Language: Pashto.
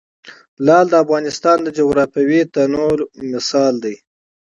لعل د افغانستان د جغرافیوي تنوع مثال دی.